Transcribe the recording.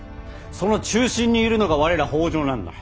その中心にいるのが我ら北条なんだ。